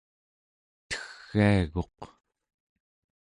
teggiaguq